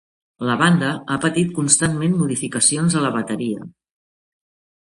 La banda ha patit constantment modificacions a la bateria.